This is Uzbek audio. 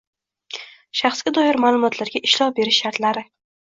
Shaxsga doir ma’lumotlarga ishlov berish shartlari